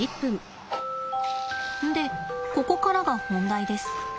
でここからが本題です。